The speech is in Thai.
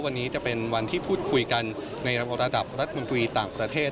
วันนี้จะเป็นวันที่พูดคุยกันในระบบระดับรัฐมนตรีต่างประเทศ